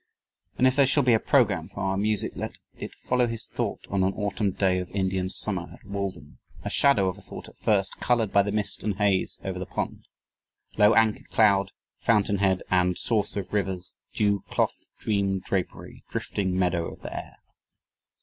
And if there shall be a program for our music let it follow his thought on an autumn day of Indian summer at Walden a shadow of a thought at first, colored by the mist and haze over the pond: Low anchored cloud, Fountain head and Source of rivers... Dew cloth, dream drapery Drifting meadow of the air....